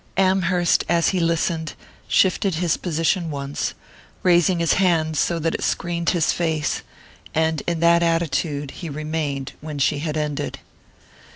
Amherst, as he listened, shifted his position once, raising his hand so that it screened his face; and in that attitude he remained when she had ended.